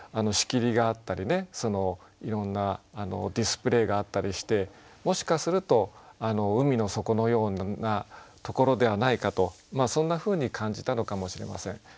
仕切りがあったりねいろんなディスプレーがあったりしてもしかすると海の底のようなところではないかとそんなふうに感じたのかもしれません。